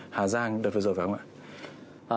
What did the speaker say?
hà giang đợt vừa rồi phải không ạ